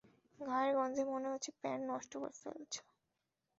গায়ের গন্ধে মনে হচ্ছে প্যান্ট নষ্ট করে ফেলেছ।